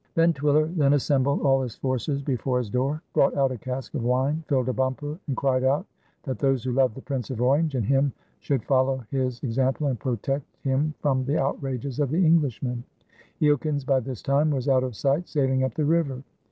Van Twiller then assembled all his forces before his door, brought out a cask of wine, filled a bumper, and cried out that those who loved the Prince of Orange and him should follow his example and protect him from the outrages of the Englishman; Eelkens, by this time, was out of sight sailing up the river.